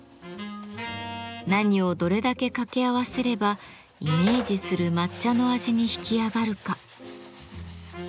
何をどれだけ掛け合わせればイメージする抹茶の味に引き上がるか。